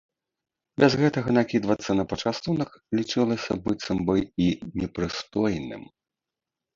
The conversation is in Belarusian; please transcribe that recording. Без гэтага накідвацца на пачастунак лічылася быццам бы і непрыстойным.